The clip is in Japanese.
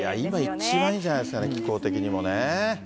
今、一番いいんじゃないですかね、気候的にもね。